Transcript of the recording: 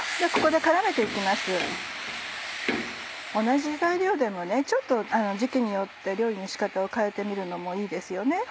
同じ材料でもちょっと時期によって料理の仕方を変えてみるのもいいですよね。